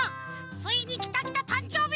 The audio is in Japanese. ついにきたきたたんじょうび！